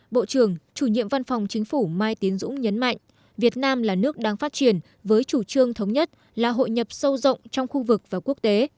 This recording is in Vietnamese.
bộ trưởng chủ nhiệm văn phòng chính phủ mai tiến dũng nhấn mạnh việt nam là nước đang phát triển với chủ trương thống nhất là hội nhập sâu rộng trong khu vực và quốc tế